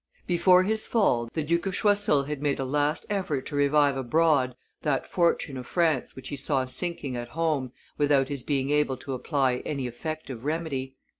Before his fall the Duke of Choiseul had made a last effort to revive abroad that fortune of France which he saw sinking at home without his being able to apply any effective remedy.